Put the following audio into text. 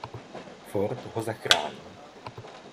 Ford ho zachrání.